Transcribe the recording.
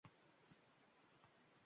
Shu bilan birga millat tuyg‘usi bor.